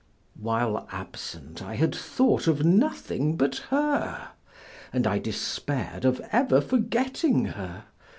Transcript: While absent, I had thought of nothing but her, and I despaired of ever forgetting her.